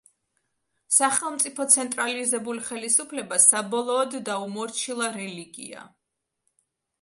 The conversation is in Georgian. სახელმწიფო ცენტრალიზებულ ხელისუფლებას საბოლოოდ დაუმორჩილა რელიგია.